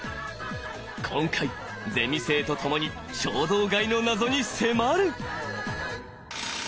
今回ゼミ生とともに衝動買いの謎に迫る！